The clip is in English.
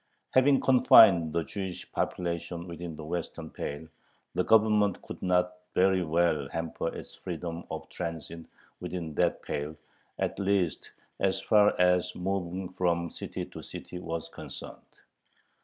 Having confined the Jewish population within the western pale, the Government could not very well hamper its freedom of transit within that pale, at least as far as moving from city to city was concerned.